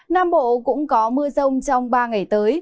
nam bộ cũng có mưa rông trong ba ngày tới